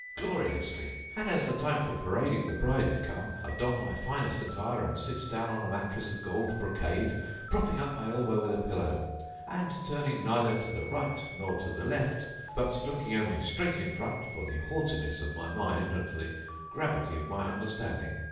gloriously! And as the time for parading the bride is come, I don my finest attire and sit down on a mattress of gold brocade, propping up my elbow with a pillow, and turning neither to the right nor to the left; but looking only straight in front for the haughtiness of my mind and the gravity of my understanding.